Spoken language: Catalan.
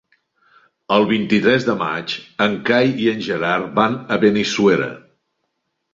El vint-i-tres de maig en Cai i en Gerard van a Benissuera.